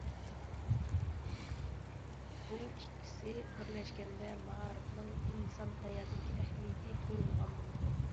بۇ ئىككىسى بىرلەشكەندە مائارىپنىڭ ئىنسان ھاياتىدىكى ئەھمىيىتى تويۇنغان بولىدۇ.